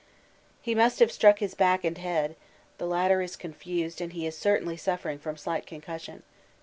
He must have struck his back and head; the latter is contused and he is certainly suffering from slight concussion.